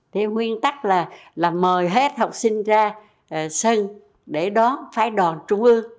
thế nguyên tắc là mời hết học sinh ra sân để đón phái đòn trung ương